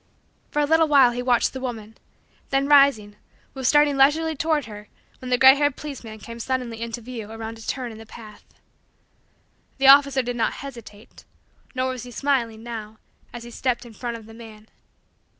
For a little while he watched the woman, then rising, was starting leisurely toward her when the gray haired policeman came suddenly into view around a turn in the path. The officer did not hesitate; nor was he smiling, now, as he stepped in front of the man.